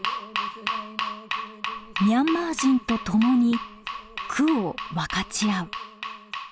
ミャンマー人と共に苦を分かち合う。